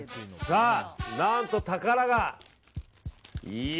何と、宝が。